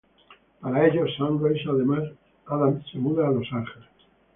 Para ello, Sunrise Adams se muda a Los Ángeles.